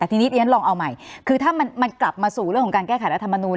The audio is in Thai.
แต่ทีนี้เรียนลองเอาใหม่คือถ้ามันกลับมาสู่เรื่องของการแก้ไขรัฐมนูล